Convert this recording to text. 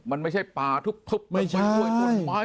มันไม่ใช่ปลาทุบไม่ใช่